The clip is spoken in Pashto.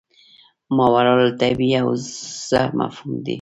ماورا الطبیعي حوزه مفهوم دی.